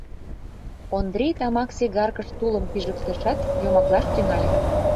Ондрий тамак сигаркыш тулым пижыктышат, йомаклаш тӱҥале: